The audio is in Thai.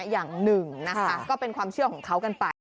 อย่างหนึ่งนะคะก็เป็นความเชื่อของเขากันไป